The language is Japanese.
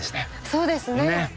そうですね。